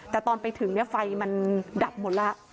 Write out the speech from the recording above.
แต่ตอนไปถึงเนี่ยไฟมันดับหมดละ